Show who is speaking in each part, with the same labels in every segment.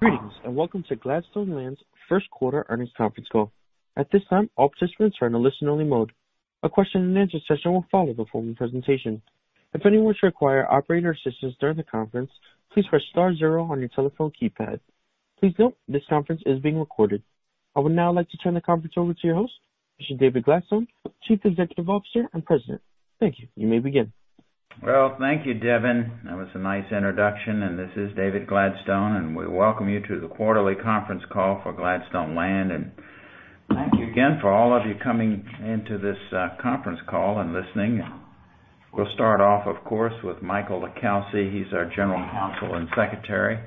Speaker 1: Greetings and welcome to Gladstone Land's first quarter earnings conference call. At this time, all participants are in listen-only mode. A question-and-answer session will follow the formal presentation. If anyone should require operator assistance during the conference, please press star zero on your telephone keypad. Please note this conference is being recorded. I would now like to turn the conference over to your host, Mr. David Gladstone, Chief Executive Officer and President. Thank you. You may begin.
Speaker 2: Well, thank you, Devin. That was a nice introduction, and this is David Gladstone, and we welcome you to the quarterly conference call for Gladstone Land. Thank you again for all of you coming into this conference call and listening. We'll start off, of course, with Michael LiCalsi. He's our General Counsel and Secretary,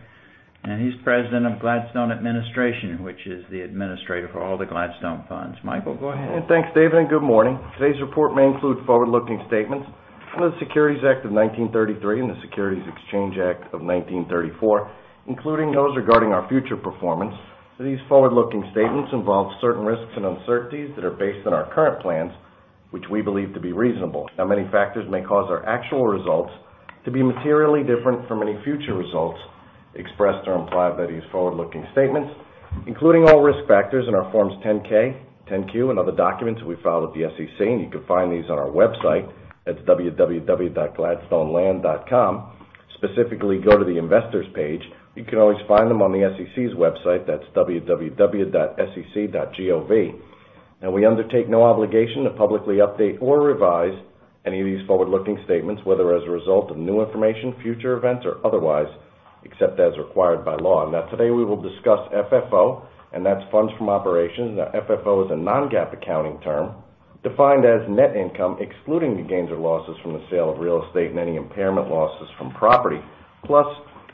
Speaker 2: and he's President of Gladstone Administration, which is the administrator for all the Gladstone funds. Michael, go ahead.
Speaker 3: Thanks, David. Good morning. Today's report may include forward-looking statements for the Securities Act of 1933 and the Securities Exchange Act of 1934, including those regarding our future performance. These forward-looking statements involve certain risks and uncertainties that are based on our current plans, which we believe to be reasonable. Many factors may cause our actual results to be materially different from any future results expressed or implied by these forward-looking statements, including all risk factors in our Forms 10-K, 10-Q, and other documents we file with the SEC, and you can find these on our website. That's www.gladstoneland.com. Specifically, go to the Investors page. You can always find them on the SEC's website. That's www.sec.gov. We undertake no obligation to publicly update or revise any of these forward-looking statements, whether as a result of new information, future events, or otherwise, except as required by law. Today, we will discuss FFO, and that's funds from operations. FFO is a non-GAAP accounting term defined as net income, excluding the gains or losses from the sale of real estate and any impairment losses from property, plus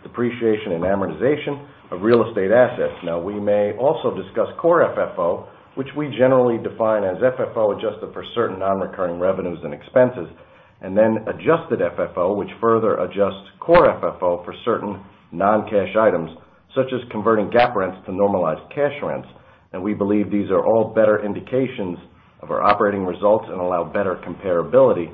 Speaker 3: depreciation and amortization of real estate assets. We may also discuss Core FFO, which we generally define as FFO adjusted for certain non-recurring revenues and expenses, and then Adjusted FFO, which further adjusts Core FFO for certain non-cash items, such as converting GAAP rents to normalized cash rents. We believe these are all better indications of our operating results and allow better comparability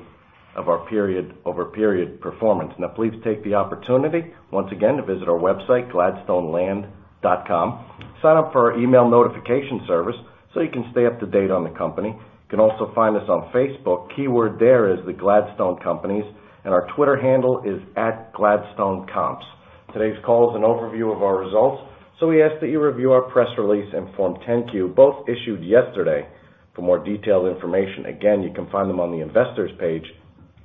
Speaker 3: of our period-over-period performance. Please take the opportunity once again to visit our website, gladstoneland.com. Sign up for our email notification service so you can stay up to date on the company. You can also find us on Facebook. Keyword there is The Gladstone Companies, and our Twitter handle is @GladstoneComps. Today's call is an overview of our results, so we ask that you review our press release and Form 10-Q, both issued yesterday, for more detailed information. Again, you can find them on the Investors page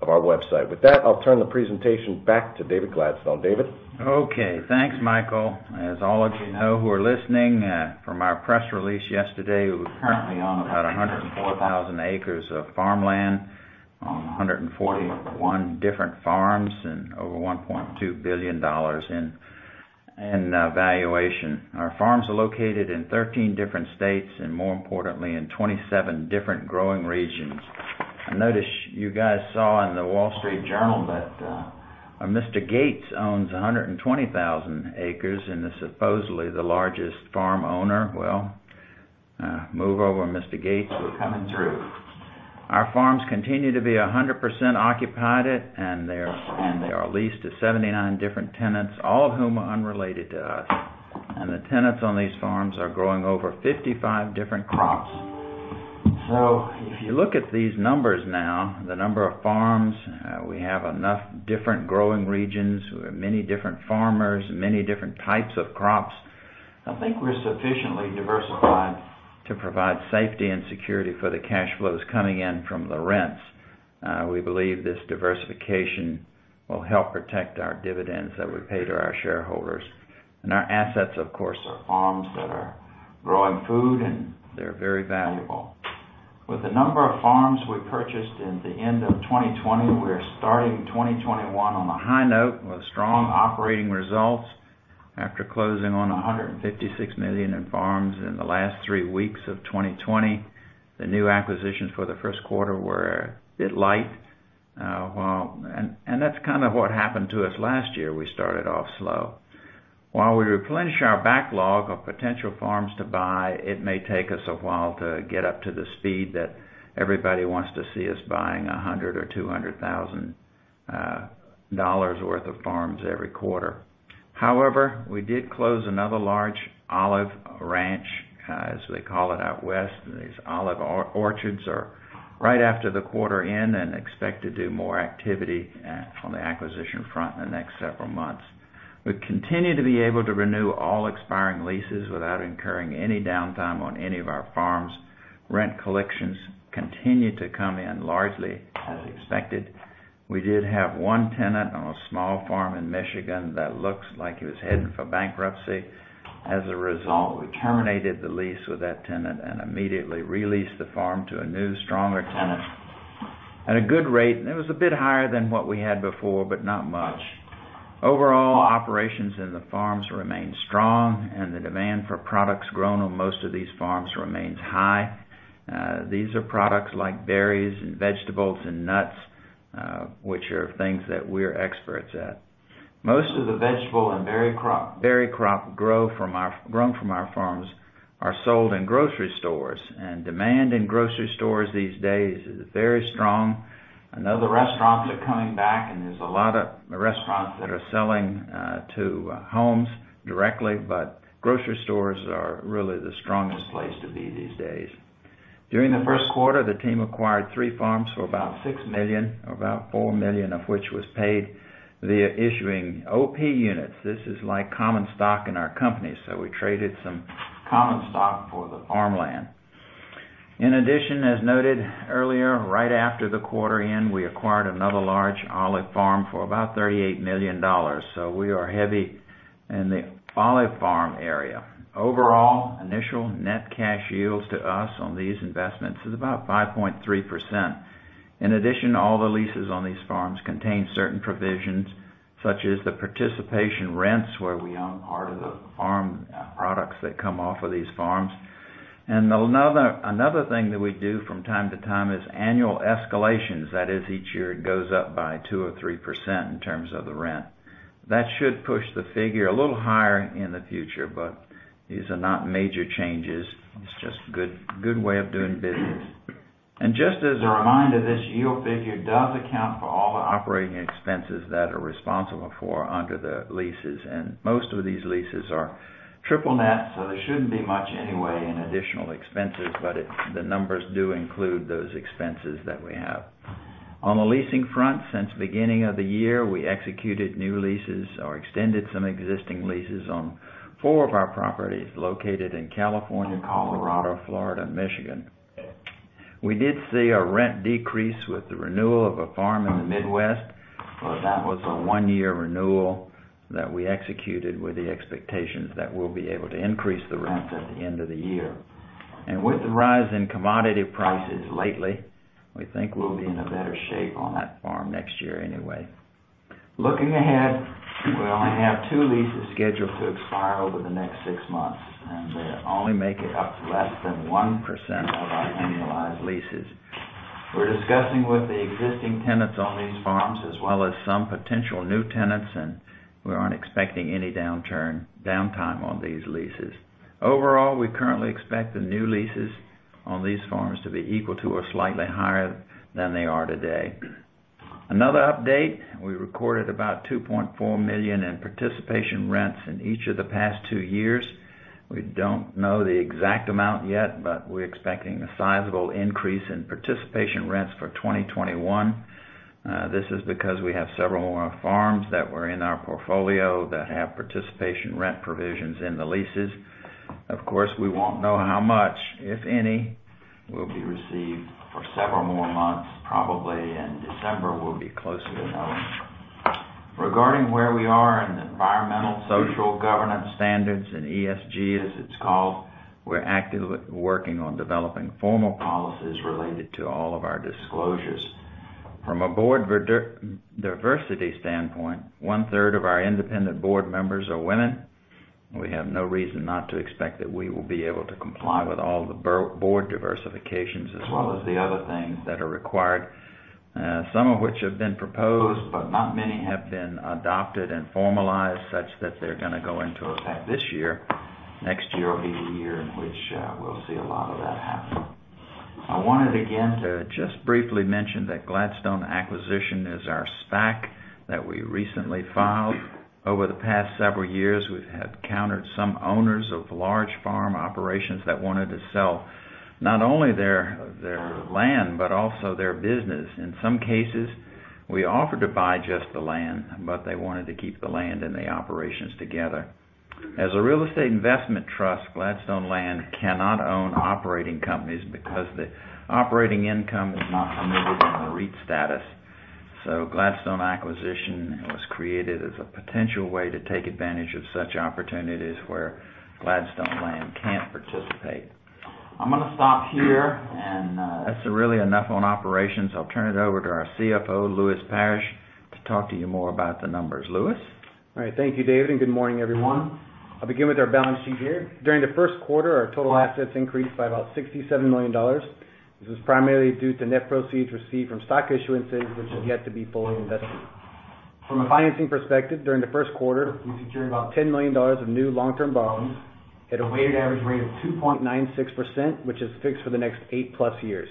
Speaker 3: of our website. With that, I'll turn the presentation back to David Gladstone. David?
Speaker 2: Okay. Thanks, Michael. As all of you know who are listening, from our press release yesterday, we're currently on about 104,000 acres of farmland on 141 different farms and over $1.2 billion in valuation. Our farms are located in 13 different states and, more importantly, in 27 different growing regions. I noticed you guys saw in The Wall Street Journal that Mr. Gates owns 120,000 acres and is supposedly the largest farm owner. Well, move over, Mr. Gates. We're coming through. Our farms continue to be 100% occupied, and they are leased to 79 different tenants, all of whom are unrelated to us. The tenants on these farms are growing over 55 different crops. If you look at these numbers now, the number of farms, we have enough different growing regions. We have many different farmers, many different types of crops. I think we're sufficiently diversified to provide safety and security for the cash flows coming in from the rents. We believe this diversification will help protect our dividends that we pay to our shareholders. Our assets, of course, are farms that are growing food, and they're very valuable. With the number of farms we purchased at the end of 2020, we are starting 2021 on a high note with strong operating results after closing on $156 million in farms in the last three weeks of 2020. The new acquisitions for the first quarter were a bit light. That's kind of what happened to us last year. We started off slow. While we replenish our backlog of potential farms to buy, it may take us a while to get up to the speed that everybody wants to see us buying $100,000 or $200,000 worth of farms every quarter. However, we did close another large olive ranch, as they call it out West. These olive orchards are right after the quarter end, and expect to do more activity on the acquisition front in the next several months. We continue to be able to renew all expiring leases without incurring any downtime on any of our farms. Rent collections continue to come in largely as expected. We did have one tenant on a small farm in Michigan that looks like he was heading for bankruptcy. As a result, we terminated the lease with that tenant and immediately re-leased the farm to a new, stronger tenant at a good rate. It was a bit higher than what we had before, but not much. Overall, operations in the farms remain strong. The demand for products grown on most of these farms remains high. These are products like berries, and vegetables, and nuts, which are things that we're experts at. Most of the vegetable and berry crops grown from our farms are sold in grocery stores. Demand in grocery stores these days is very strong. I know the restaurants are coming back. There's a lot of restaurants that are selling to homes directly, but grocery stores are really the strongest place to be these days. During the first quarter, the team acquired three farms for about $6 million, about $4 million of which was paid via issuing OP Units. This is like common stock in our company. We traded some common stock for the farmland. In addition, as noted earlier, right after the quarter end, we acquired another large olive farm for about $38 million. We are heavy in the olive farm area. Overall, the initial net cash yields to us on these investments is about 5.3%. In addition, all the leases on these farms contain certain provisions, such as the participation rents, where we own part of the farm products that come off of these farms. Another thing that we do from time to time is annual escalations. That is, each year it goes up by 2% or 3% in terms of the rent. That should push the figure a little higher in the future, but these are not major changes. It's just a good way of doing business. Just as a reminder, this yield figure does account for all the operating expenses that are responsible for under the leases, and most of these leases are Triple Net, so there shouldn't be much anyway in additional expenses, but the numbers do include those expenses that we have. On the leasing front, since the beginning of the year, we executed new leases or extended some existing leases on four of our properties located in California, Colorado, Florida, and Michigan. We did see a rent decrease with the renewal of a farm in the Midwest, but that was a one-year renewal that we executed with the expectation that we'll be able to increase the rents at the end of the year. With the rise in commodity prices lately, we think we'll be in a better shape on that farm next year anyway. Looking ahead, we only have two leases scheduled to expire over the next six months, and they only make up less than 1% of our annualized leases. We're discussing with the existing tenants on these farms as well as some potential new tenants, and we aren't expecting any downtime on these leases. Overall, we currently expect the new leases on these farms to be equal to or slightly higher than they are today. Another update, we recorded about $2.4 million in participation rents in each of the past two years. We don't know the exact amount yet, but we're expecting a sizable increase in participation rents for 2021. This is because we have several more farms that were in our portfolio that have participation rent provisions in the leases. Of course, we won't know how much, if any, will be received for several more months, probably in December, we'll get closer to knowing. Regarding where we are in environmental, social, governance standards, and ESG, as it's called, we're actively working on developing formal policies related to all of our disclosures. From a board diversity standpoint, 1/3 of our independent board members are women. We have no reason not to expect that we will be able to comply with all the board diversifications as well as the other things that are required, some of which have been proposed, not many have been adopted and formalized, such that they're going to go into effect this year. Next year will be a year in which we'll see a lot of that happen. I wanted again to just briefly mention that Gladstone Acquisition is our SPAC that we recently filed. Over the past several years, we have encountered some owners of large farm operations that wanted to sell not only their land but also their business. In some cases, we offered to buy just the land, but they wanted to keep the land and the operations together. As a real estate investment trust, Gladstone Land cannot own operating companies because the operating income would not permit it in the REIT status. Gladstone Acquisition was created as a potential way to take advantage of such opportunities where Gladstone Land can't participate. I'm going to stop here, and that's really enough on operations. I'll turn it over to our CFO, Lewis Parrish, to talk to you more about the numbers. Lewis?
Speaker 4: All right. Thank you, David, and good morning, everyone. I'll begin with our balance sheet here. During the first quarter, our total assets increased by about $67 million. This was primarily due to net proceeds received from stock issuances, which are yet to be fully invested. From a financing perspective, during the first quarter, we secured about $10 million of new long-term loans at a weighted-average rate of 2.96%, which is fixed for the next 8+ years.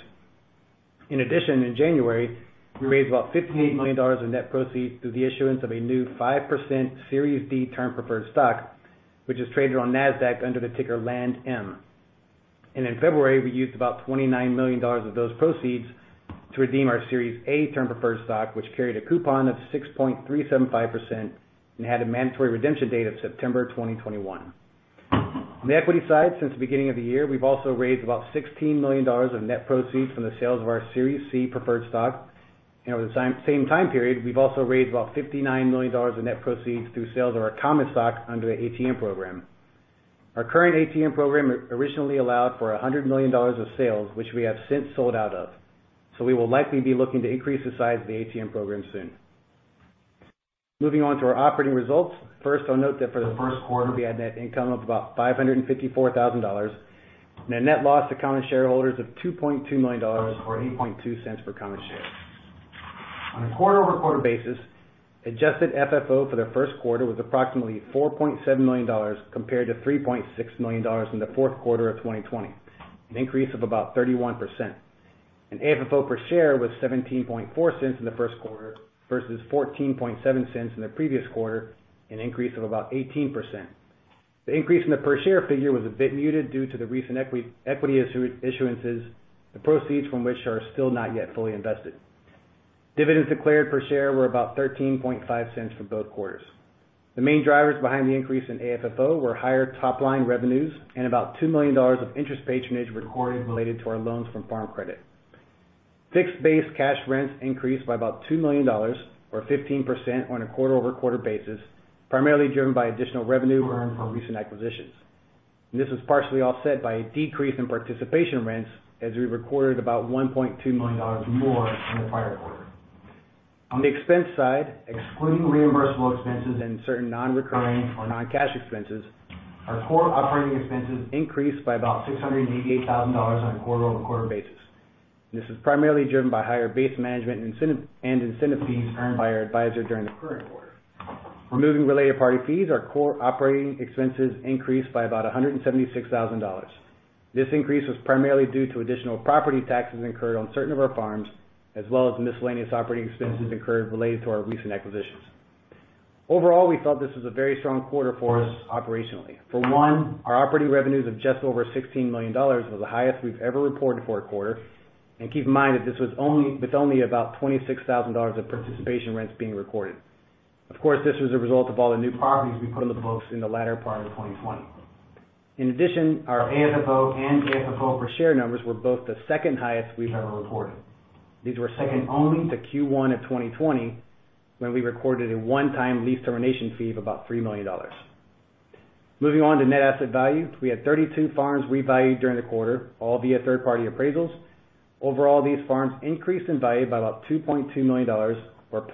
Speaker 4: In addition, in January, we raised about $15 million in net proceeds through the issuance of a new 5% Series D Term Preferred Stock, which is traded on NASDAQ under the ticker LANDM. In February, we used about $29 million of those proceeds to redeem our Series A Term Preferred Stock, which carried a coupon of 6.375% and had a mandatory redemption date of September 2021. On the equity side, since the beginning of the year, we've also raised about $16 million of net proceeds from the sale of our Series C Preferred Stock. Over the same time period, we've also raised about $59 million of net proceeds through the sale of our common stock under the ATM program. Our current ATM program originally allowed for $100 million of sales, which we have since sold out of. We will likely be looking to increase the size of the ATM program soon. Moving on to our operating results. First, I'll note that for the first quarter, we had net income of about $554,000 and a net loss to common shareholders of $2.2 million, or $0.082 per common share. On a quarter-over-quarter basis, Adjusted FFO for the first quarter was approximately $4.7 million, compared to $3.6 million in the fourth quarter of 2020, an increase of about 31%. AFFO per share was $0.174 in the first quarter versus $0.147 in the previous quarter, an increase of about 18%. The increase in the per-share figure was a bit muted due to the recent equity issuances, the proceeds from which are still not yet fully invested. Dividends declared per share were about $0.135 for both quarters. The main drivers behind the increase in AFFO were higher top-line revenues and about $2 million of interest patronage recorded related to our loans from Farm Credit. Fixed base cash rents increased by about $2 million or 15% on a quarter-over-quarter basis, primarily driven by additional revenue earned from recent acquisitions. This was partially offset by a decrease in participation rents as we recorded about $1.2 million more than the prior quarter. On the expense side, excluding reimbursable expenses and certain non-recurring or non-cash expenses, our core operating expenses increased by about $688,000 on a quarter-over-quarter basis. This was primarily driven by higher base management and incentive fees earned by our advisor during the current quarter. Removing related party fees, our core operating expenses increased by about $176,000. This increase was primarily due to additional property taxes incurred on certain of our farms, as well as miscellaneous operating expenses incurred related to our recent acquisitions. Overall, we felt this was a very strong quarter for us operationally. For one, our operating revenues of just over $16 million was the highest we've ever reported for a quarter. Keep in mind that this was with only about $26,000 of participation rents being recorded. Of course, this was a result of all the new properties we put on the books in the latter part of 2020. In addition, our AFFO and AFFO per share numbers were both the second-highest we've ever reported. These were second only to Q1 of 2020, when we recorded a one-time lease termination fee of about $3 million. Moving on to net asset value. We had 32 farms revalued during the quarter, all via third-party appraisals. Overall, these farms increased in value by about $2.2 million, or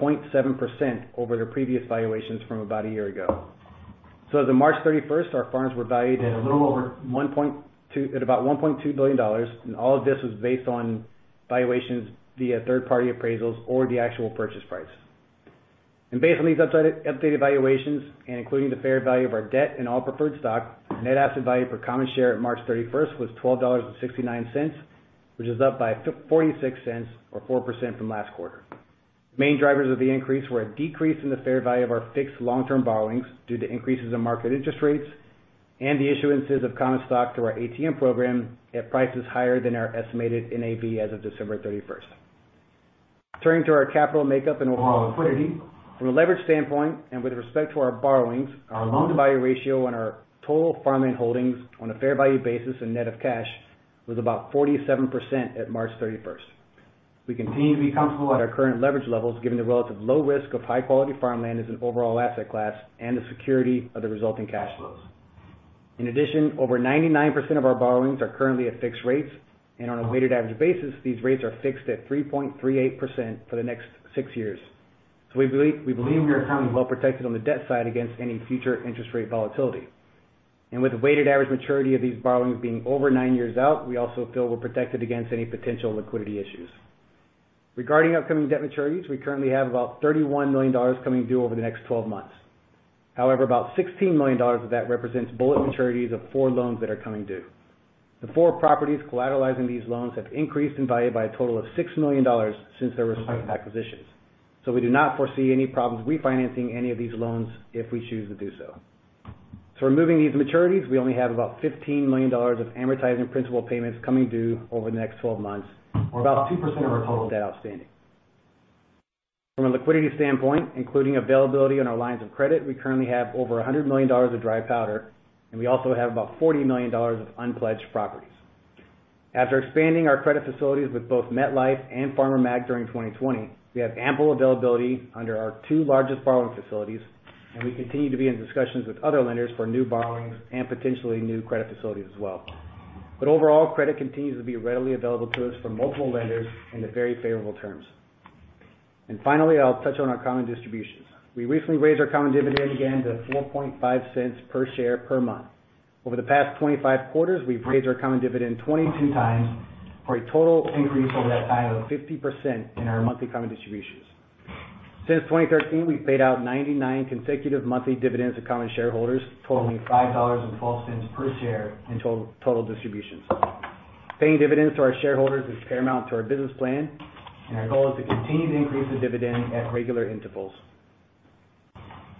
Speaker 4: 0.7% over their previous valuations from about a year ago. As of March 31st, our farms were valued at about $1.2 billion, and all of this was based on valuations via third-party appraisals or the actual purchase price. Based on these updated valuations and including the fair value of our debt and all preferred stock, net asset value per common share at March 31st was $12.69, which is up by $0.46 or 4% from last quarter. Main drivers of the increase were a decrease in the fair value of our fixed long-term borrowings due to increases in market interest rates and the issuances of common stock through our ATM program at prices higher than our estimated NAV as of December 31st. Turning to our capital makeup and overall liquidity. From a leverage standpoint and with respect to our borrowings, our loan-to-value ratio on our total farmland holdings on a fair value basis and net of cash was about 47% at March 31st. We continue to be comfortable at our current leverage levels, given the relative low risk of high-quality farmland as an overall asset class and the security of the resulting cash flows. Over 99% of our borrowings are currently at fixed rates. On a weighted average basis, these rates are fixed at 3.38% for the next six years. We believe we are currently well protected on the debt side against any future interest rate volatility. With the weighted average maturity of these borrowings being over nine years out, we also feel we're protected against any potential liquidity issues. Regarding upcoming debt maturities, we currently have about $31 million coming due over the next 12 months. However, about $16 million of that represents bullet maturities of four loans that are coming due. The four properties collateralizing these loans have increased in value by a total of $6 million since their respective acquisitions. We do not foresee any problems refinancing any of these loans if we choose to do so. Removing these maturities, we only have about $15 million of amortizing principal payments coming due over the next 12 months, or about 2% of our total debt outstanding. From a liquidity standpoint, including availability on our lines of credit, we currently have over $100 million of dry powder, and we also have about $40 million of unpledged properties. After expanding our credit facilities with both MetLife and Farmer Mac during 2020, we have ample availability under our two largest borrowing facilities, and we continue to be in discussions with other lenders for new borrowings and potentially new credit facilities as well. Overall, credit continues to be readily available to us from multiple lenders and at very favorable terms. Finally, I'll touch on our common distributions. We recently raised our common dividend again to $0.045 per share per month. Over the past 25 quarters, we've raised our common dividend 22x for a total increase over that time of 50% in our monthly common distributions. Since 2013, we've paid out 99 consecutive monthly dividends to common shareholders, totaling $5.12 per share in total distributions. Paying dividends to our shareholders is paramount to our business plan, and our goal is to continue to increase the dividend at regular intervals.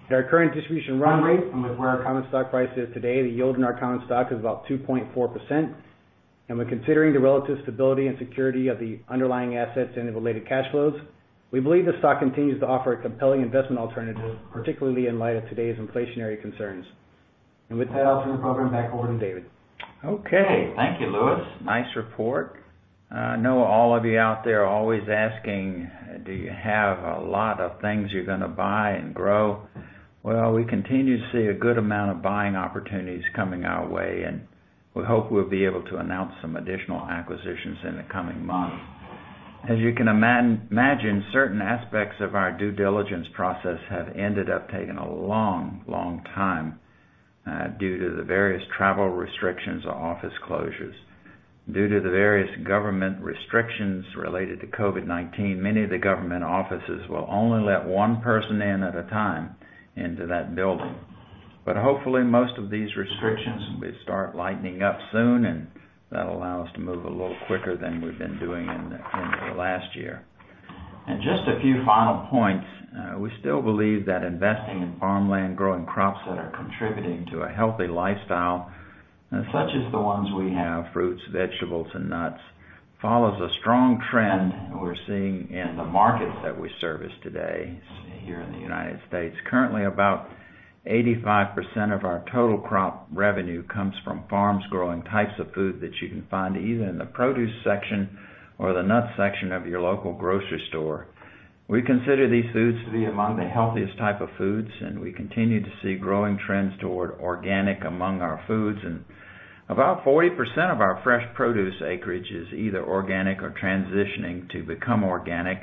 Speaker 4: At our current distribution run rate and with where our common stock price is today, the yield on our common stock is about 2.4%. When considering the relative stability and security of the underlying assets and the related cash flows, we believe the stock continues to offer a compelling investment alternative, particularly in light of today's inflationary concerns. With that, I'll turn the program back over to David.
Speaker 2: Okay. Thank you, Lewis. Nice report. I know all of you out there are always asking, do you have a lot of things you're going to buy and grow? Well, we continue to see a good amount of buying opportunities coming our way, and we hope we'll be able to announce some additional acquisitions in the coming months. As you can imagine, certain aspects of our due diligence process have ended up taking a long, long time due to the various travel restrictions or office closures. Due to the various government restrictions related to COVID-19, many of the government offices will only let one person in at a time into that building. Hopefully, most of these restrictions will start lightening up soon, and that'll allow us to move a little quicker than we've been doing in the last year. Just a few final points. We still believe that investing in farmland, growing crops that are contributing to a healthy lifestyle, such as the ones we have, fruits, vegetables, and nuts, follows a strong trend we're seeing in the markets that we service today here in the U.S. Currently, about 85% of our total crop revenue comes from farms growing types of food that you can find either in the produce section or the nut section of your local grocery store. We consider these foods to be among the healthiest types of foods, and we continue to see growing trends toward organic among our foods, and about 40% of our fresh produce acreage is either organic or transitioning to become organic.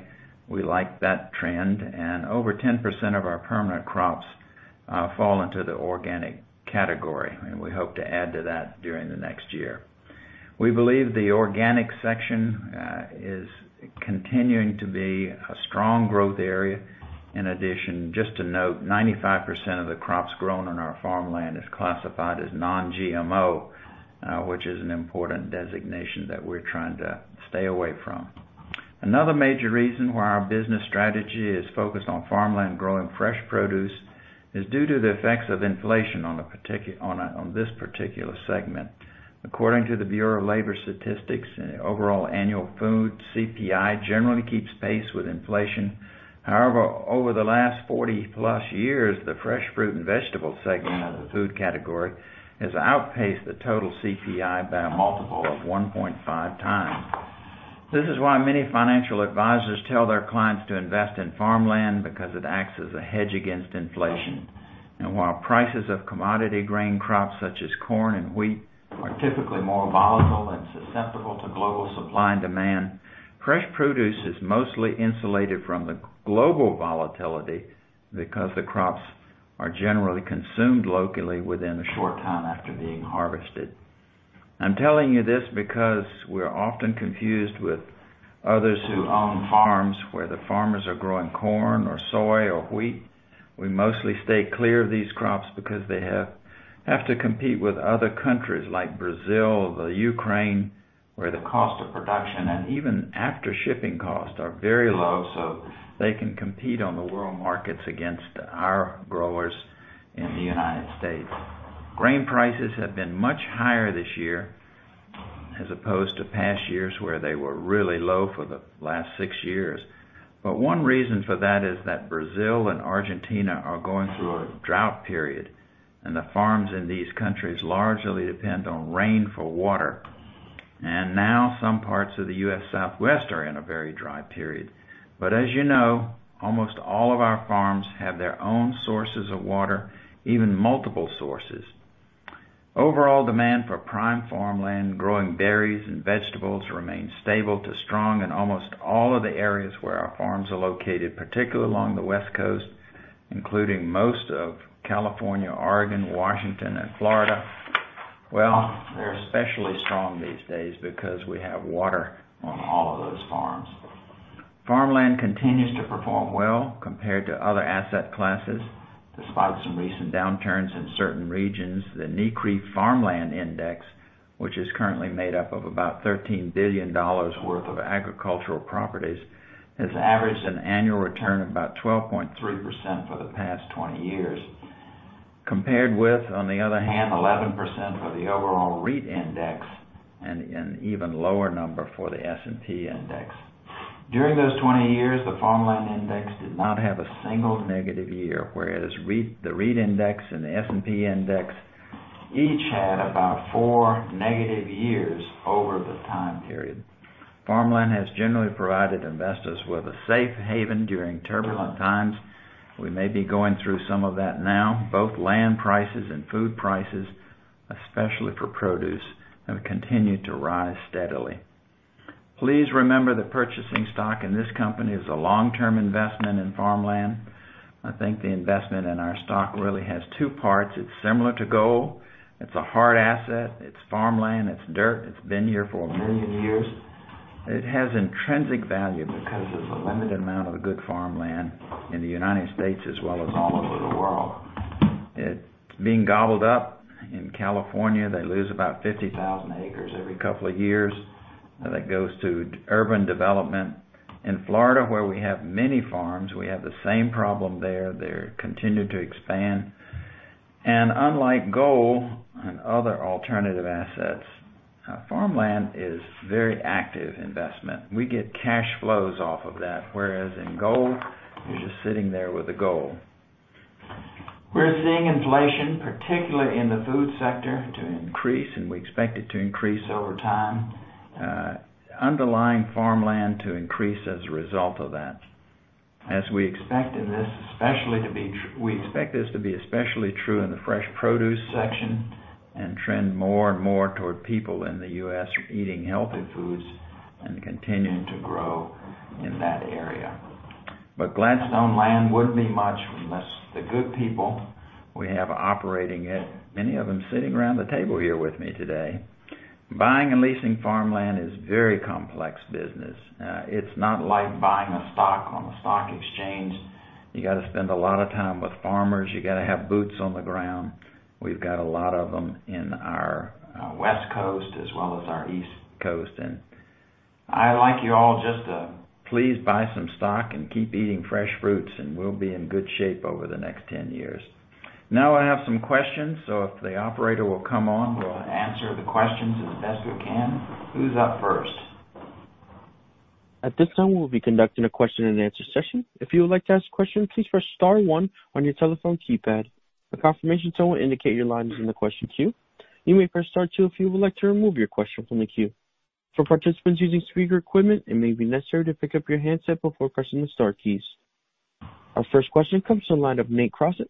Speaker 2: We like that trend, and over 10% of our permanent crops fall into the organic category, and we hope to add to that during the next year. We believe the organic section is continuing to be a strong growth area. In addition, just to note, 95% of the crops grown on our farmland is classified as non-GMO, which is an important designation that we're trying to stay away from. Another major reason why our business strategy is focused on farmland growing fresh produce is due to the effects of inflation on this particular segment. According to the Bureau of Labor Statistics, overall annual food CPI generally keeps pace with inflation. However, over the last 40+ years, the fresh fruit and vegetable segment of the food category has outpaced the total CPI by a multiple of 1.5x. This is why many financial advisors tell their clients to invest in farmland, because it acts as a hedge against inflation. While prices of commodity grain crops such as corn and wheat are typically more volatile and susceptible to global supply and demand, fresh produce is mostly insulated from the global volatility because the crops are generally consumed locally within a short time after being harvested. I'm telling you this because we're often confused with others who own farms where the farmers are growing corn, or soy, or wheat. We mostly stay clear of these crops because they have to compete with other countries like Brazil, the Ukraine, where the cost of production, and even after shipping costs, are very low, so they can compete on the world markets against our growers in the United States. Grain prices have been much higher this year as opposed to past years, where they were really low for the last six years. One reason for that is that Brazil and Argentina are going through a drought period, and the farms in these countries largely depend on rain for water. Now, some parts of the U.S. Southwest are in a very dry period. As you know, almost all of our farms have their own sources of water, even multiple sources. Overall demand for prime farmland growing berries and vegetables remains stable to strong in almost all of the areas where our farms are located, particularly along the West Coast, including most of California, Oregon, Washington, and Florida. Well, they're especially strong these days because we have water on all of those farms. Farmland continues to perform well compared to other asset classes. Despite some recent downturns in certain regions, the NCREIF Farmland Index, which is currently made up of about $13 billion worth of agricultural properties, has averaged an annual return of about 12.3% for the past 20 years. Compared with, on the other hand, 11% for the overall REIT index and an even lower number for the S&P index. During those 20 years, the farmland index did not have a single negative year, whereas the REIT index and the S&P index each had about four negative years over the time period. Farmland has generally provided investors with a safe haven during turbulent times. We may be going through some of that now. Both land prices and food prices, especially for produce, have continued to rise steadily. Please remember that purchasing stock in this company is a long-term investment in farmland. I think the investment in our stock really has two parts. It's similar to gold. It's a hard asset. It's farmland. It's dirt. It's been here for a million years. It has intrinsic value because there's a limited amount of good farmland in the U.S. as well as all over the world. It is being gobbled up. In California, they lose about 50,000 acres every couple of years. That goes to urban development. In Florida, where we have many farms, we have the same problem there. They continue to expand. Unlike gold and other alternative assets, farmland is a very active investment. We get cash flows off of that, whereas in gold, you're just sitting there with the gold. We're seeing inflation, particularly in the food sector, to increase, and we expect it to increase over time, underlying farmland to increase as a result of that. As we expect this to be especially true in the fresh produce section, and trend more and more toward people in the U.S. eating healthy foods and continuing to grow in that area. Gladstone Land wouldn't be much unless the good people we have operating it, many of them sitting around the table here with me today. Buying and leasing farmland is a very complex business. It's not like buying a stock on the stock exchange. You've got to spend a lot of time with farmers. You've got to have boots on the ground. We've got a lot of them in our West Coast as well as our East Coast. I'd like you all just to please buy some stock and keep eating fresh fruits, and we'll be in good shape over the next 10 years. I have some questions. If the operator will come on, we'll answer the questions as best we can. Who's up first?
Speaker 1: At this time, we'll be conducting a question-and-answer session. If you would like to ask a question, please press star one on your telephone keypad. A confirmation tone will indicate your line is in the question queue. You may press star two if you would like to remove your question from the queue. For participants using speaker equipment, it may be necessary to pick up your handset before pressing the star keys. Our first question comes from the line of Nate Crossett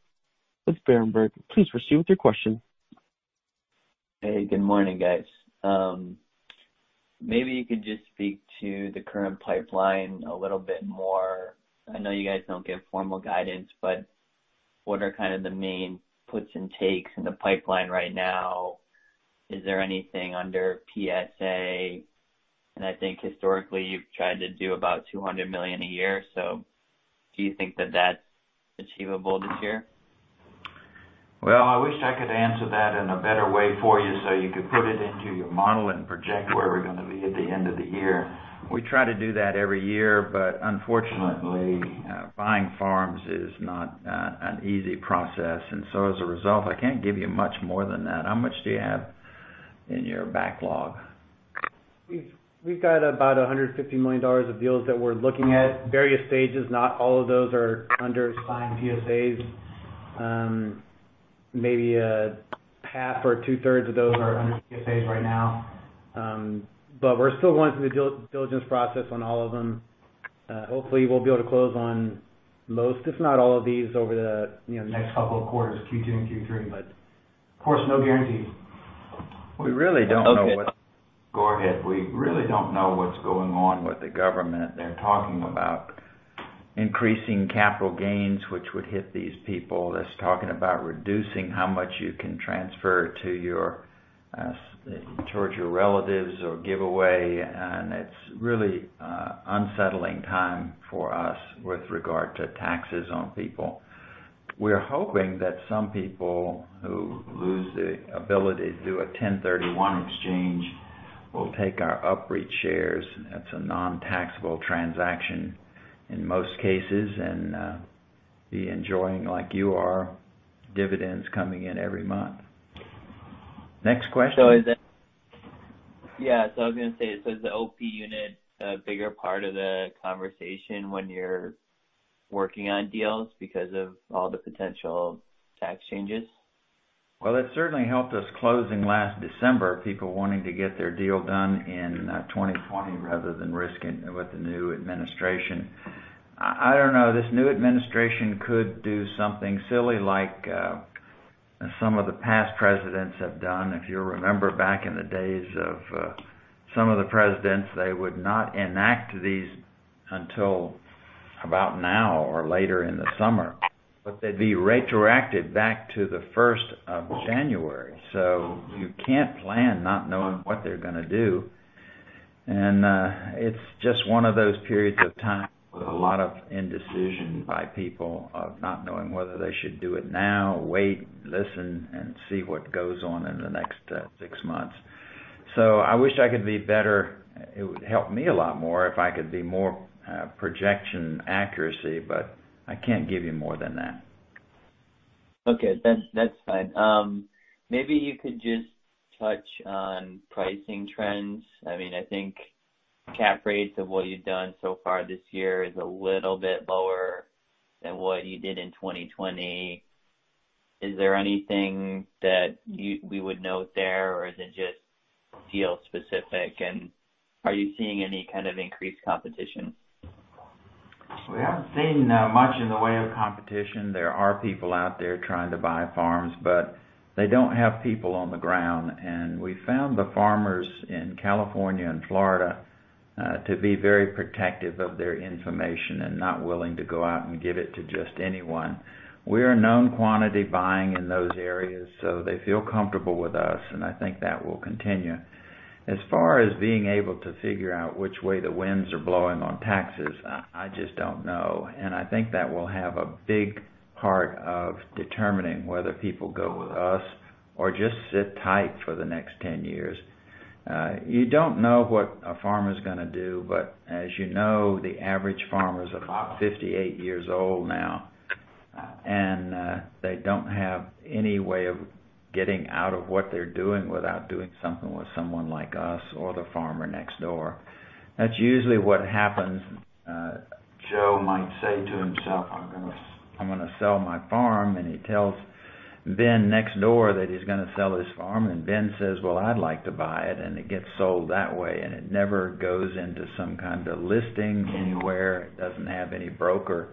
Speaker 1: with Berenberg. Please proceed with your question.
Speaker 5: Hey, good morning, guys. Maybe you could just speak to the current pipeline a little bit more. I know you guys don't give formal guidance, what are kind of the main puts and takes in the pipeline right now? Is there anything under PSA? I think historically, you've tried to do about $200 million a year. Do you think that's achievable this year?
Speaker 2: Well, I wish I could answer that in a better way for you so you could put it into your model and project, where we're going to be at the end of the year. Unfortunately, buying farms is not an easy process. As a result, I can't give you much more than that. How much do you have in your backlog?
Speaker 4: We've got about $150 million of deals that we're looking at, in various stages. Not all of those are under signed PSAs. Maybe half or two-thirds of those are under PSAs right now. We're still going through the due diligence process on all of them. Hopefully, we'll be able to close on most, if not all of these, over the next couple of quarters, Q2 and Q3. Of course, no guarantees.
Speaker 2: Go ahead. We really don't know what's going on with the government. They're talking about increasing capital gains, which would hit these people. It's talking about reducing how much you can transfer towards your relatives or give away. It's a really unsettling time for us with regard to taxes on people. We're hoping that some people who lose the ability to do a 1031 exchange will take our UPREIT shares. That's a non-taxable transaction in most cases and be enjoying, like you are, dividends coming in every month. Next question.
Speaker 5: Yeah. I was going to say, so is the OP unit a bigger part of the conversation when you're working on deals because of all the potential tax changes?
Speaker 2: Well, it certainly helped us closing last December, people wanting to get their deal done in 2020 rather than risking with the new administration. I don't know. This new administration could do something silly, like some of the past Presidents have done. If you remember back in the days of some of the Presidents, they would not enact these until about now or later in the summer, but they'd be retroactive back to the 1st of January. You can't plan not knowing what they're going to do. It's just one of those periods of time with a lot of indecision by people of not knowing whether they should do it now, wait, listen, and see what goes on in the next six months. I wish I could be better. It would help me a lot more if I could be more projection accuracy, but I can't give you more than that.
Speaker 5: Okay, that's fine. Maybe you could just touch on pricing trends. I think cap rates of what you've done so far this year is a little bit lower than what you did in 2020. Is there anything that we would note there, or is it just deal-specific? Are you seeing any kind of increased competition?
Speaker 2: We haven't seen much in the way of competition. There are people out there trying to buy farms, but they don't have people on the ground. We found the farmers in California and Florida to be very protective of their information and not willing to go out and give it to just anyone. We're a known quantity buying in those areas, so they feel comfortable with us, and I think that will continue. As far as being able to figure out which way the winds are blowing on taxes, I just don't know. I think that will have a big part of determining whether people go with us or just sit tight for the next 10 years. You don't know what a farmer's going to do, but as you know, the average farmer is about 58 years old now. They don't have any way of getting out of what they're doing without doing something with someone like the farmer next door or us. That's usually what happens. Joe might say to himself, "I'm gonna sell my farm." He tells Ben next door that he's gonna sell his farm. Ben says, "Well, I'd like to buy it." It gets sold that way. It never goes into some kind of listing anywhere. It doesn't have any broker.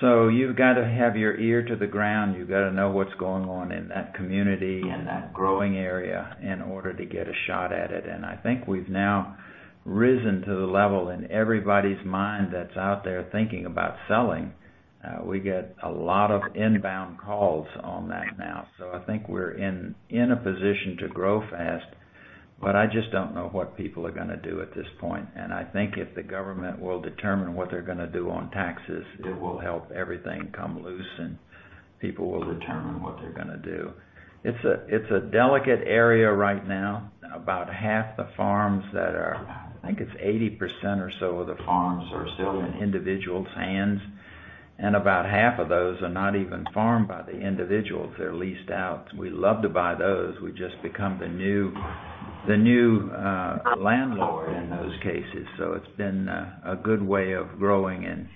Speaker 2: You've got to have your ear to the ground. You've got to know what's going on in that community, in that growing area, in order to get a shot at it. I think we've now risen to the level in everybody's mind that's out there thinking about selling. We get a lot of inbound calls on that now. I think we're in a position to grow fast, but I just don't know what people are going to do at this point. I think if the government will determine what they're going to do on taxes, it will help everything come loose, and people will determine what they're going to do. It's a delicate area right now. About half the farms, I think it's 80% or so of the farms, are still in individual hands, and about half of those are not even farmed by the individuals. They're leased out. We love to buy those. We just became the new landlord in those cases. It's been a good way of growing, and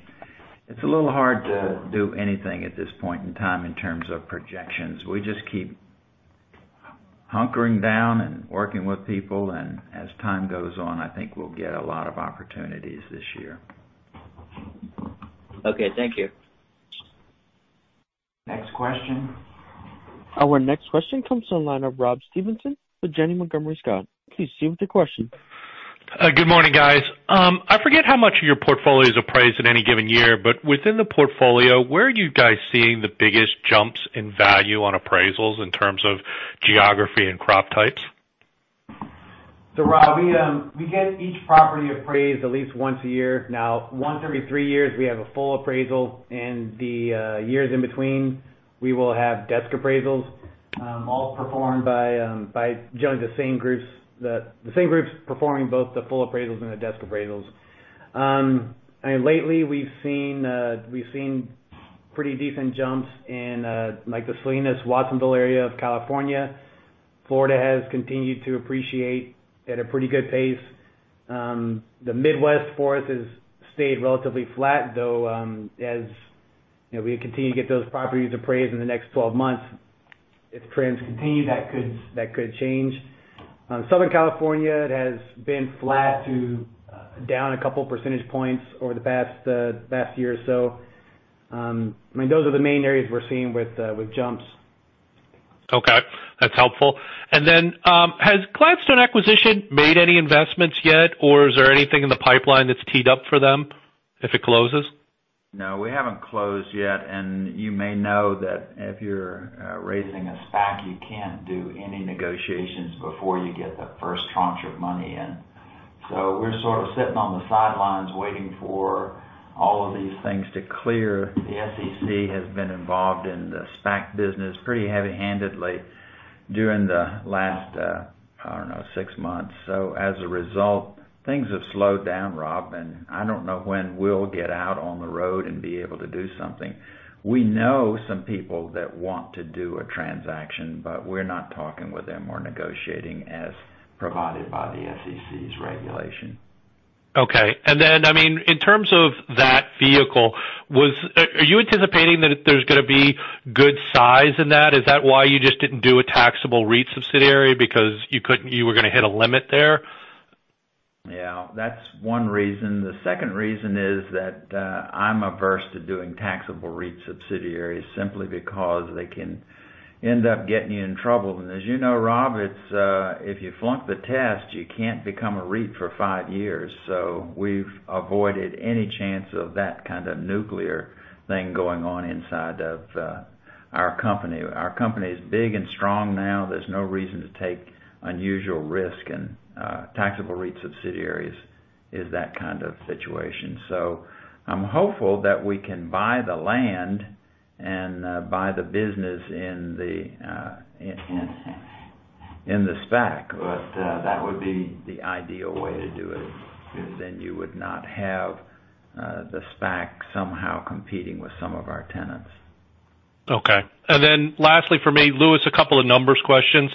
Speaker 2: it's a little hard to do anything at this point in time in terms of projections. We just keep hunkering down and working with people, and as time goes on, I think we'll get a lot of opportunities this year.
Speaker 5: Okay. Thank you.
Speaker 2: Next question.
Speaker 1: Our next question comes to the line of Rob Stevenson with Janney Montgomery Scott. Please proceed with your question.
Speaker 6: Good morning, guys. I forget how much of your portfolio is appraised in any given year, but within the portfolio, where are you guys seeing the biggest jumps in value on appraisals in terms of geography and crop types?
Speaker 4: Rob, we get each property appraised at least once a year. Now, once every three years, we have a full appraisal, and the years in between, we will have desk appraisals, all performed by generally the same groups performing both the full appraisals and the desk appraisals. Lately, we've seen pretty decent jumps in the Salinas, Watsonville area of California. Florida has continued to appreciate at a pretty good pace. The Midwest for us has stayed relatively flat, though, as we continue to get those properties appraised in the next 12 months. If trends continue, that could change. Southern California has been flat to down a couple of percentage points over the past year or so. Those are the main areas we're seeing with jumps.
Speaker 6: Okay, that's helpful. Has Gladstone Acquisition made any investments yet? Is there anything in the pipeline that's teed up for them if it closes?
Speaker 2: No, we haven't closed yet, and you may know that if you're raising a SPAC, you can't do any negotiations before you get the first tranche of money in. We're sort of sitting on the sidelines waiting for all of these things to clear. The SEC has been involved in the SPAC business pretty heavy-handedly during the last, I don't know, six months. As a result, things have slowed down, Rob, and I don't know when we'll get out on the road and be able to do something. We know some people that want to do a transaction, but we're not talking with them or negotiating as provided by the SEC's regulation.
Speaker 6: Okay. In terms of that vehicle, are you anticipating that there's going to be a good size in that? Is that why you just didn't do a taxable REIT subsidiary because you were going to hit a limit there?
Speaker 2: Yeah, that's one reason. The second reason is that I'm averse to doing taxable REIT subsidiaries simply because they can end up getting you in trouble. As you know, Rob, if you flunk the test, you can't become a REIT for five years. We've avoided any chance of that kind of nuclear thing going on inside of our company. Our company is big and strong now. There's no reason to take unusual risk, and taxable REIT subsidiaries is that kind of situation. I'm hopeful that we can buy the land and buy the business in the SPAC. That would be the ideal way to do it, because then you would not have the SPAC somehow competing with some of our tenants.
Speaker 6: Okay. Lastly, for me, Lewis, a couple of number questions.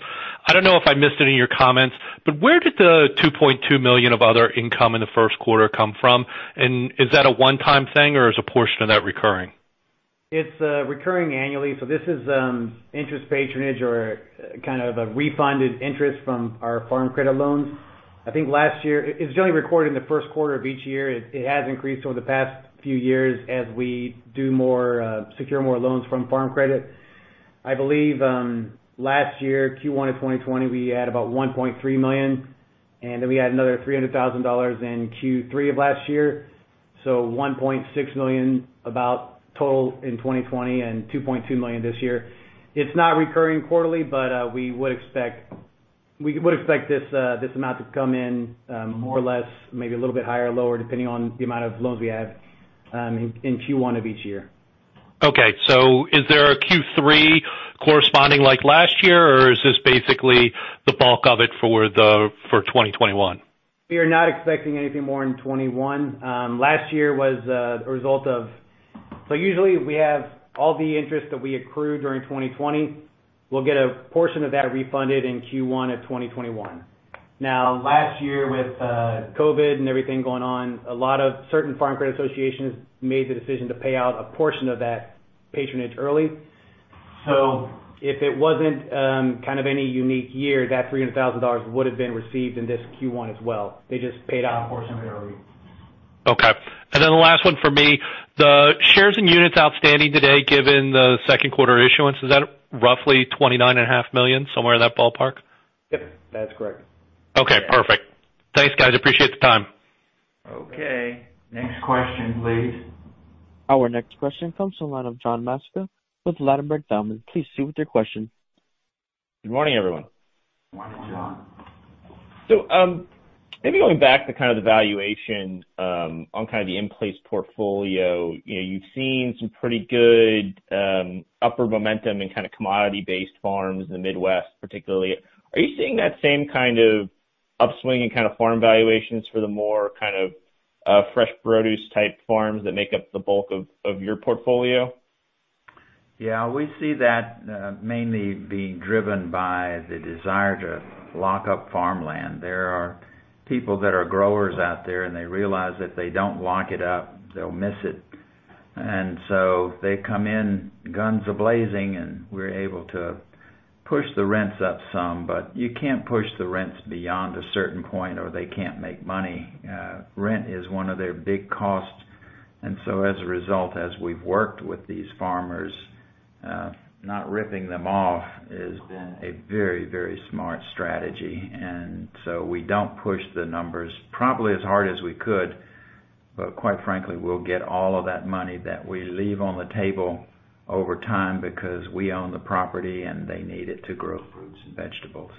Speaker 6: I don't know if I missed it in your comments, but where did the $2.2 million of other income in the first quarter come from? Is that a one-time thing, or is a portion of that recurring?
Speaker 4: It's recurring annually. This is interest patronage or a kind of refunded interest from our Farm Credit loans. I think last year, it's generally recorded in the first quarter of each year. It has increased over the past few years as we secure more loans from Farm Credit. I believe, last year, Q1 of 2020, we had about $1.3 million, and then we had another $300,000 in Q3 of last year. $1.6 million about total in 2020 and $2.2 million this year. It's not recurring quarterly, but we would expect this amount to come in more or less, maybe a little bit higher or lower, depending on the amount of loans we have in Q1 of each year.
Speaker 6: Okay. Is there a Q3 corresponding like last year, or is this basically the bulk of it for 2021?
Speaker 4: We are not expecting anything more in 2021. Last year, usually, we have all the interest that we accrued during 2020. We'll get a portion of that refunded in Q1 of 2021. Last year, with COVID and everything going on, a lot of certain Farm Credit associations made the decision to pay out a portion of that patronage early. If it wasn't kind of any unique year, that $300,000 would've been received in this Q1 as well. They just paid out the portion early.
Speaker 6: Okay. The last one for me, the shares and units outstanding today, given the second quarter issuance, is that roughly $29.5 million, somewhere in that ballpark?
Speaker 4: Yep, that's correct.
Speaker 6: Okay, perfect. Thanks, guys. Appreciate the time.
Speaker 2: Okay. Next question, please.
Speaker 1: Our next question comes from the line of John Massocca with Ladenburg Thalmann. Please proceed with your question.
Speaker 7: Good morning, everyone.
Speaker 2: Morning, John.
Speaker 7: Maybe going back to the kind of the valuation on kind of the in-place portfolio. You've seen some pretty good upper momentum in kind of commodity-based farms in the Midwest, particularly. Are you seeing that same kind of upswing in kind of farm valuations for the more kind of fresh produce type farms that make up the bulk of your portfolio?
Speaker 2: Yeah, we see that mainly being driven by the desire to lock up farmland. There are people that are growers out there, and they realize if they don't lock it up, they'll miss it. They come in guns a-blazing, and we're able to push the rents up some. You can't push the rents beyond a certain point, or they can't make money. Rent is one of their big costs. As a result, as we've worked with these farmers, not ripping them off has been a very, very smart strategy. We don't push the numbers probably as hard as we could, but quite frankly, we'll get all of that money that we leave on the table over time because we own the property, and they need it to grow fruits and vegetables.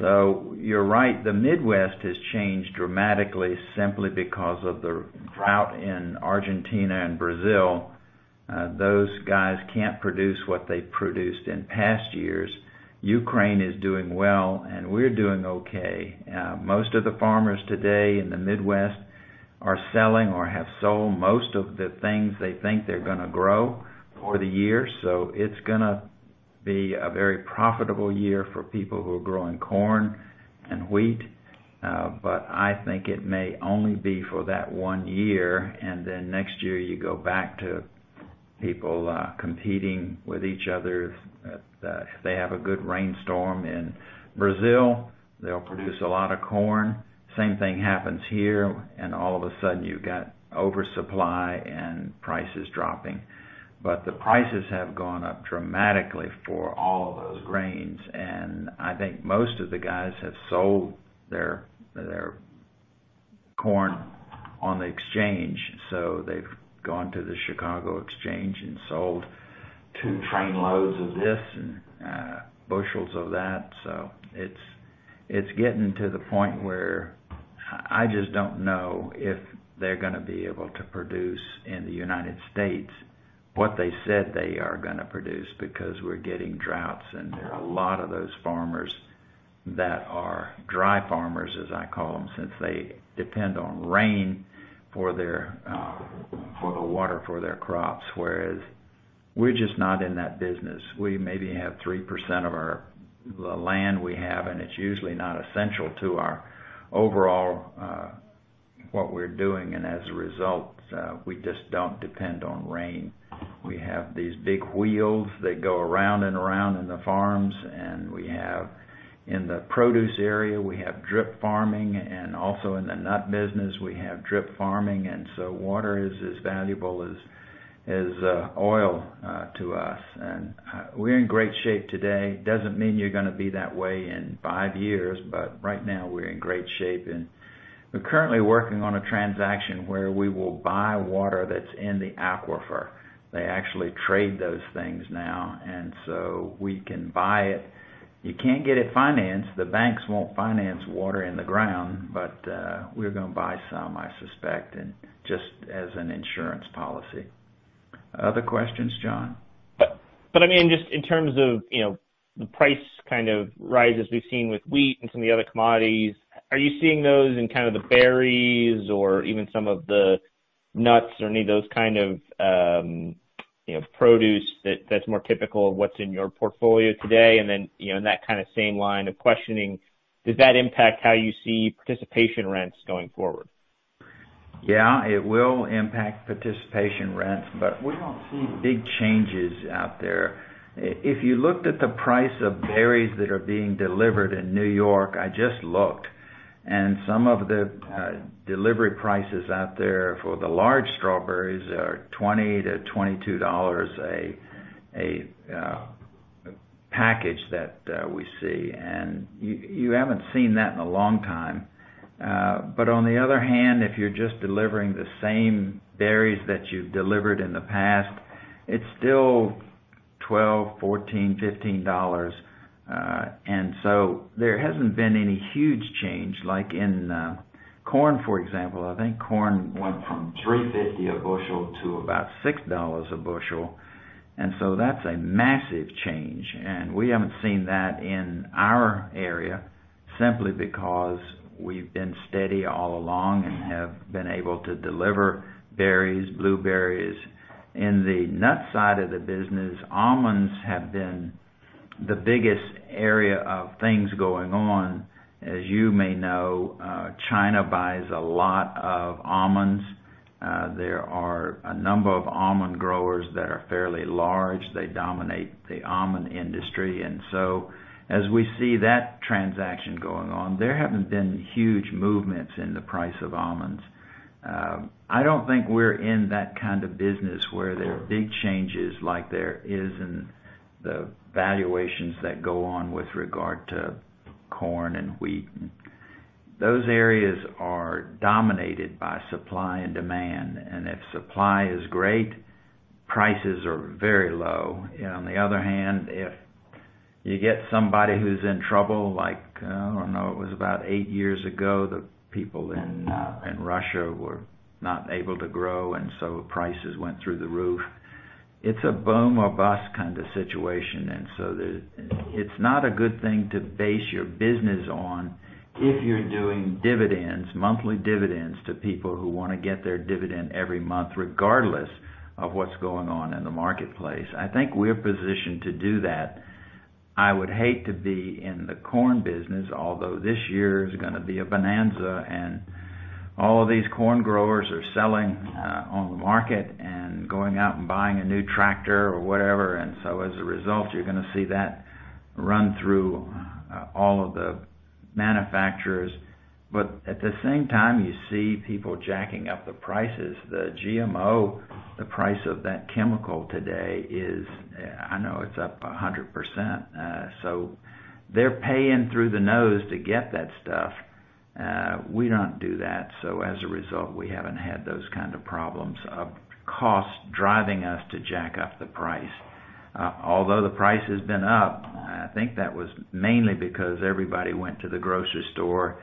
Speaker 2: You're right, the Midwest has changed dramatically simply because of the drought in Argentina and Brazil. Those guys can't produce what they produced in past years. Ukraine is doing well, and we're doing okay. Most of the farmers today in the Midwest are selling or have sold most of the things they think they're gonna grow for the year. It's gonna be a very profitable year for people who are growing corn and wheat. I think it may only be for that one year, and then next year, you go back to people competing with each other. If they have a good rainstorm in Brazil, they'll produce a lot of corn. The same thing happens here, and all of a sudden, you've got oversupply and prices dropping. The prices have gone up dramatically for all of those grains, and I think most of the guys have sold their corn on the exchange. They've gone to the Chicago Exchange and sold two trainloads of this and bushels of that. It's getting to the point where I just don't know if they're gonna be able to produce in the United States what they said they are gonna produce because we're getting droughts and a lot of those farmers that are dry farmers, as I call them, since they depend on rain for the water for their crops. Whereas we're just not in that business. We maybe have 3% of the land we have, and it's usually not essential to our overall what we're doing. As a result, we just don't depend on rain. We have these big wheels that go around and around in the farms, and we have in the produce area, we have drip farming, and also in the nut business, we have drip farming. Water is as valuable as oil to us. We're in great shape today. Doesn't mean you're gonna be that way in five years, but right now we're in great shape. We're currently working on a transaction where we will buy water that's in the aquifer. They actually trade those things now, we can buy it. You can't get it financed. The banks won't finance water in the ground, but we're gonna buy some, I suspect, just as an insurance policy. Other questions, John?
Speaker 7: I mean, just in terms of the price kind of rises we've seen with wheat and some of the other commodities, are you seeing those in kind of the berries or even some of the nuts or any of those kinds of produce that's more typical of what's in your portfolio today? In that kind of same line of questioning, does that impact how you see participation rents going forward?
Speaker 2: Yeah, it will impact participation rents. We don't see big changes out there. If you looked at the price of berries that are being delivered in New York, I just looked, and some of the delivery prices out there for the large strawberries are $20-$22 a package that we see. You haven't seen that in a long time. On the other hand, if you're just delivering the same berries that you've delivered in the past, it's still $12, $14, $15. There hasn't been any huge change like in corn, for example. I think corn went from $3.50 a bushel to about $6 a bushel, and so that's a massive change. We haven't seen that in our area simply because we've been steady all along and have been able to deliver berries, blueberries. In the nut side of the business, almonds have been the biggest area of things going on, as you may know, China buys a lot of almonds. There are a number of almond growers that are fairly large. They dominate the almond industry. As we see that transaction going on, there haven't been huge movements in the price of almonds. I don't think we're in that kind of business where there are big changes, like there is in the valuations that go on with regard to corn and wheat. Those areas are dominated by supply and demand, and if supply is great, prices are very low. On the other hand, if you get somebody who's in trouble like, I don't know, it was about eight years ago, the people in Russia were not able to grow, and so prices went through the roof. It's a boom or bust kind of situation. It's not a good thing to base your business on if you're doing dividends, monthly dividends to people who want to get their dividend every month, regardless of what's going on in the marketplace. I think we're positioned to do that. I would hate to be in the corn business, although this year is going to be a bonanza, and all of these corn growers are selling on the market and going out and buying a new tractor or whatever. As a result, you're going to see that run through all of the manufacturers. At the same time, you see people jacking up the prices. The GMO, the price of that chemical today is, I know it's up 100%. They're paying through the nose to get that stuff. We don't do that, so as a result, we haven't had those kinds of problems of cost driving us to jack up the price. Although the price has been up, I think that was mainly because everybody went to the grocery store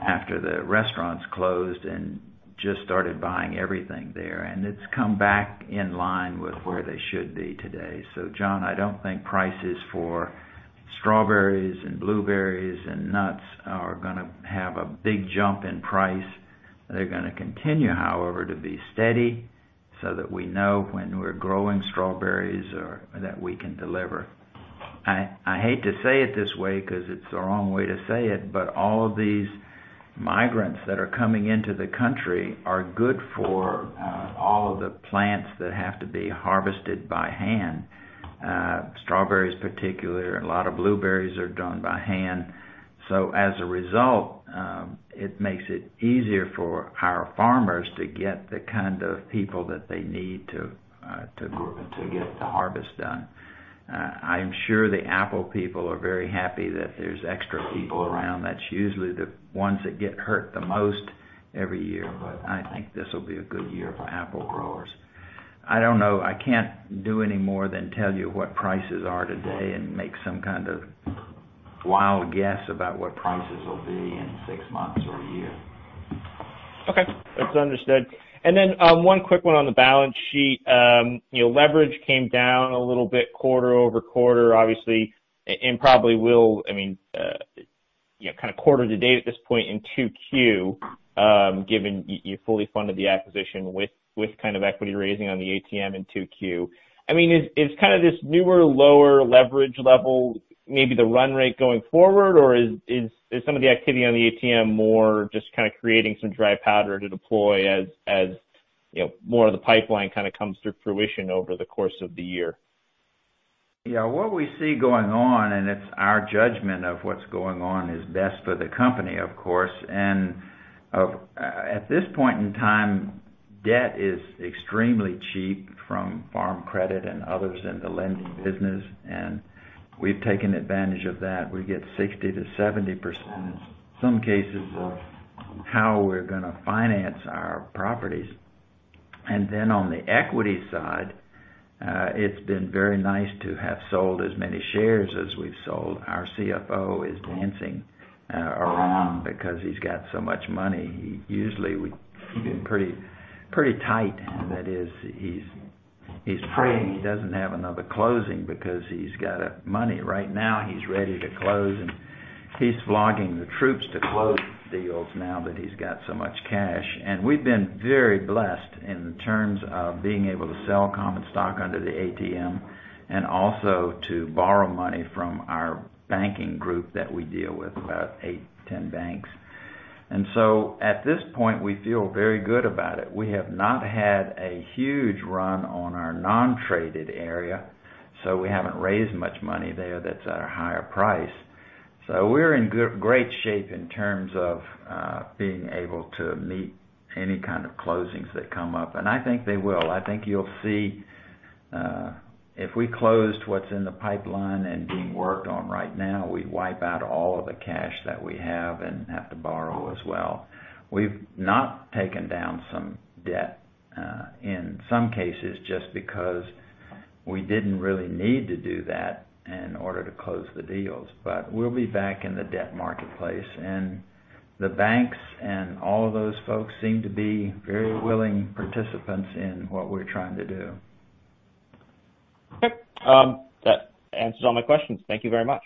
Speaker 2: after the restaurants closed and just started buying everything there. It's come back in line with where they should be today. John, I don't think prices for strawberries and blueberries, and nuts are gonna have a big jump in price. They're gonna continue, however, to be steady so that we know when we're growing strawberries or that we can deliver. I hate to say it this way because it's the wrong way to say it, but all of these migrants that are coming into the country are good for all of the plants that have to be harvested by hand. Strawberries, in particular, a lot of blueberries are done by hand. As a result, it makes it easier for our farmers to get the kind of people that they need to get the harvest done. I am sure the Apple people are very happy that there's extra people around. That's usually the ones that get hurt the most every year. I think this'll be a good year for apple growers. I don't know. I can't do any more than tell you what prices are today and make some kind of wild guess about what prices will be in six months or a year.
Speaker 7: Okay. That's understood. One quick one on the balance sheet. Leverage came down a little bit quarter-over-quarter, obviously, and probably will, kind of quarter to date at this point in 2Q, given you fully funded the acquisition with kind of equity raising on the ATM in 2Q. Is this kind of this a newer, lower leverage level, maybe the run rate going forward? Is some of the activity on the ATM more just kind of creating some dry powder to deploy as more of the pipeline kind of comes to fruition over the course of the year?
Speaker 2: What we see going on, it's our judgment of what's going on is best for the company, of course. At this point in time, debt is extremely cheap from Farm Credit and others in the lending business, and we've taken advantage of that. We get 60%-70%, in some cases, of how we're gonna finance our properties. On the equity side, it's been very nice to have sold as many shares as we've sold. Our CFO is dancing around because he's got so much money. Usually, we've been pretty tight. That is, he's praying he doesn't have another closing because he's got money. Right now, he's ready to close, and he's flogging the troops to close deals now that he's got so much cash. We've been very blessed in terms of being able to sell common stock under the ATM and also to borrow money from our banking group that we deal with, about eight to 10 banks. At this point, we feel very good about it. We have not had a huge run on our non-traded area, so we haven't raised much money there that's at a higher price. We're in great shape in terms of being able to meet any kind of closings that come up, and I think they will. I think you'll see, if we closed what's in the pipeline and being worked on right now, we'd wipe out all of the cash that we have and have to borrow as well. We've not taken down some debt, in some cases, just because we didn't really need to do that in order to close the deals. We'll be back in the debt marketplace, and the banks and all of those folks seem to be very willing participants in what we're trying to do.
Speaker 7: Okay. That answers all my questions. Thank you very much.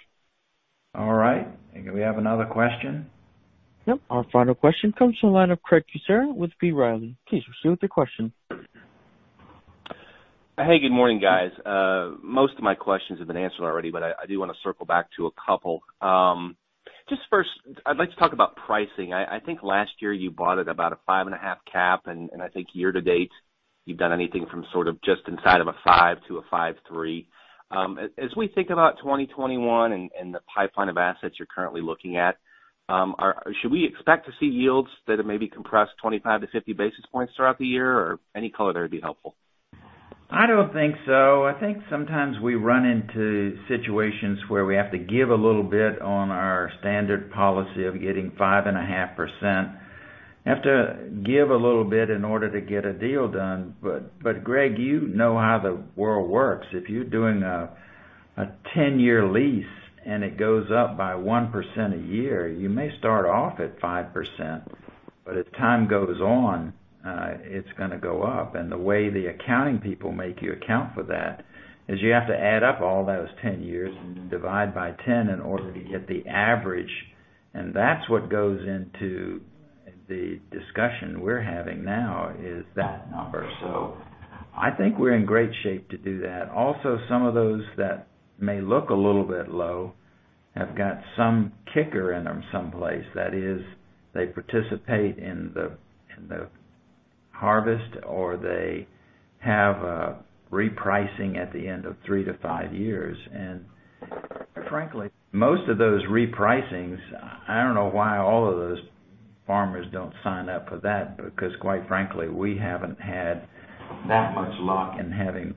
Speaker 2: All right. Do we have another question?
Speaker 1: Yep. Our final question comes from the line of Craig Kucera with B. Riley. Please proceed with your question.
Speaker 8: Hey, good morning, guys. Most of my questions have been answered already, but I do want to circle back to a couple. Just first, I'd like to talk about pricing. I think last year you bought at about a 5.5% cap, and I think year-to-date, you've done anything from sort of just inside of a 5% to a 5.3%. As we think about 2021 and the pipeline of assets you're currently looking at, should we expect to see yields that are maybe compressed 25 to 50 basis points throughout the year, or any color there would be helpful.
Speaker 2: I don't think so. I think sometimes we run into situations where we have to give a little bit on our standard policy of getting 5.5%. You have to give a little bit in order to get a deal done. Craig, you know how the world works. If you're doing a 10-year lease and it goes up by 1% a year, you may start off at 5%, but as time goes on, it's going to go up. The way the accounting people make you account for that is you have to add up all those 10 years and divide by 10 in order to get the average. That's what goes into the discussion we're having now, is that number. I think we're in great shape to do that. Also, some of those that may look a little bit low have got some kicker in them someplace. That is, they participate in the harvest, or they have a repricing at the end of three to five years. Frankly, most of those repricings, I don't know why all of those farmers don't sign up for that because quite frankly, we haven't had that much luck in having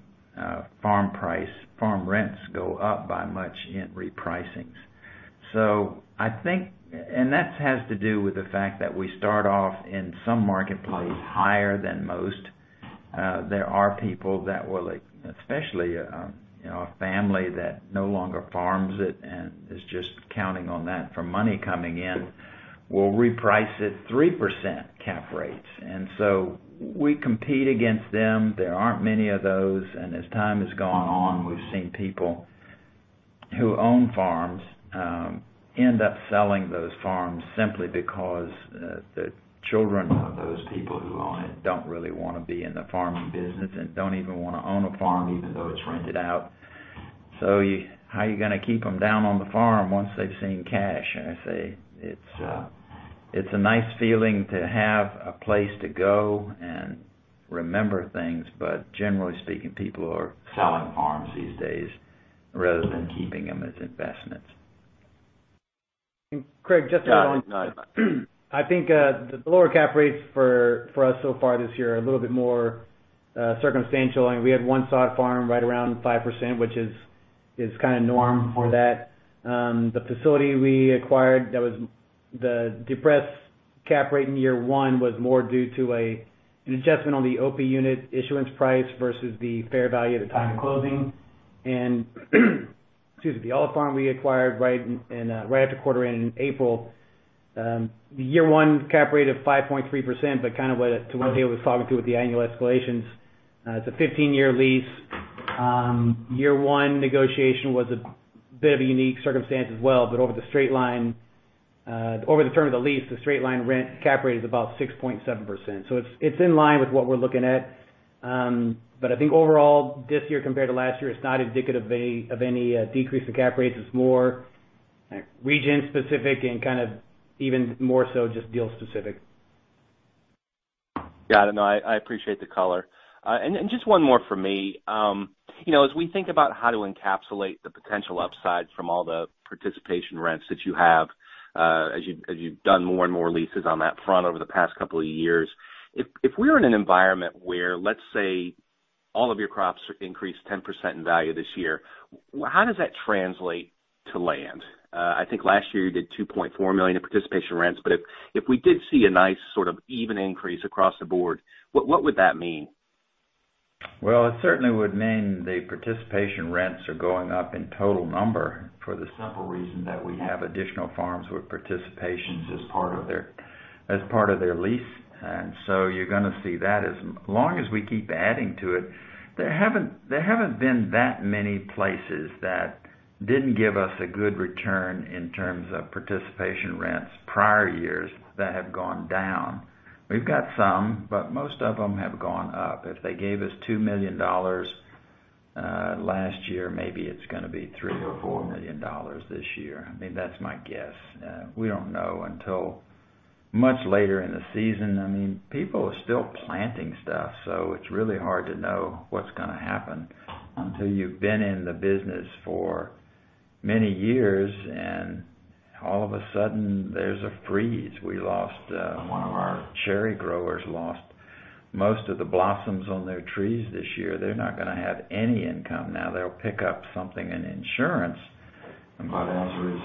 Speaker 2: farm rents go up by much in repricings. That has to do with the fact that we start off in some marketplaces higher than most. There are people that will, especially a family that no longer farms it and is just counting on that for money coming in, will reprice at 3% cap rates. We compete against them. There aren't many of those. As time has gone on, we've seen people who own farms end up selling those farms simply because the children of those people who own it don't really want to be in the farming business and don't even want to own a farm, even though it's rented out. How are you going to keep them down on the farm once they've seen cash? I say it's a nice feeling to have a place to go and remember things. Generally speaking, people are selling farms these days rather than keeping them as investments.
Speaker 4: Craig, just to add on.
Speaker 2: No, it's all right.
Speaker 4: I think the lower cap rates for us so far this year are a little bit more circumstantial. We had one sod farm right around 5%, which is kind of norm for that. The facility we acquired, the depressed cap rate in year one was more due to an adjustment on the OP unit issuance price versus the fair value at the time of closing. Excuse me, the olive farm we acquired right after quarter end in April. The year one cap rate of 5.3%, but kind of to what David was talking to with the annual escalations. It's a 15-year lease. Year one negotiation was a bit of a unique circumstance as well, but over the term of the lease, the straight-line rent cap rate is about 6.7%. It's in line with what we're looking at. I think overall, this year compared to last year, it's not indicative of any decrease in cap rates. It's more region-specific and kind of even more so, just deal-specific.
Speaker 8: Got it. No, I appreciate the color. Just one more from me. As we think about how to encapsulate the potential upside from all the participation rents that you have, as you've done more and more leases on that front over the past couple of years. If we're in an environment where, let's say, all of your crops increase 10% in value this year, how does that translate to land? I think last year you did $2.4 million in participation rents. If we did see a nice sort of even increase across the board, what would that mean?
Speaker 2: It certainly would mean the participation rents are going up in total number for the simple reason that we have additional farms with participations as part of their lease. You're going to see that as long as we keep adding to it. There haven't been that many places that didn't give us a good return in terms of participation rents in prior years that have gone down. We've got some, but most of them have gone up. If they gave us $2 million last year, maybe it's going to be $3 million or $4 million this year. I mean, that's my guess. We don't know until much later in the season. I mean, people are still planting stuff, so it's really hard to know what's going to happen until you've been in the business for many years, and all of a sudden there's a freeze. One of our cherry growers lost most of the blossoms on their trees this year. They're not going to have any income.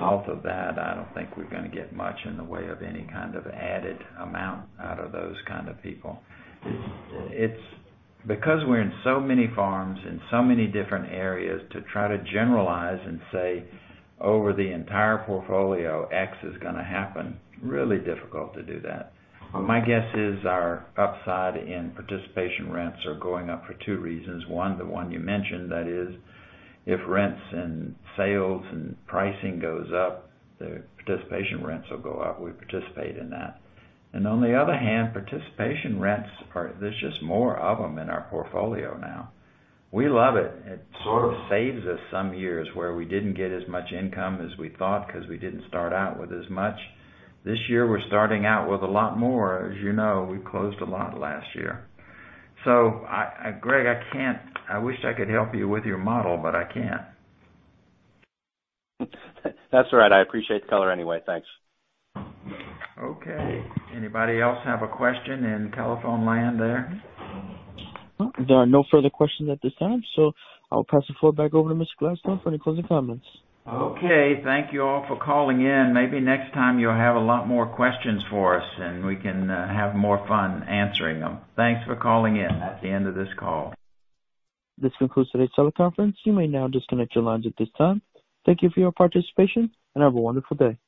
Speaker 2: Off of that, I don't think we're going to get much in the way of any kind of added amount out of those kinds of people. We're in so many farms in so many different areas, to try to generalize and say over the entire portfolio X is going to happen, really difficult to do that. My guess is our upside in participation rents are going up for two reasons. One, the one you mentioned, that is, if rents, and sales, and pricing goes up, the participation rents will go up. We participate in that. On the other hand, participation rents, there's just more of them in our portfolio now. We love it. It sort of saves us some years where we didn't get as much income as we thought, because we didn't start out with as much. This year, we're starting out with a lot more. As you know, we closed a lot last year. Craig, I wish I could help you with your model, but I can't.
Speaker 8: That's all right. I appreciate the color anyway. Thanks.
Speaker 2: Okay. Anybody else have a question in telephone land there?
Speaker 1: There are no further questions at this time. I'll pass the floor back over to Mr. Gladstone for any closing comments.
Speaker 2: Okay. Thank you all for calling in. Maybe next time you'll have a lot more questions for us, and we can have more fun answering them. Thanks for calling in. That's the end of this call.
Speaker 1: This concludes today's teleconference. You may now disconnect your lines at this time. Thank you for your participation, and have a wonderful day.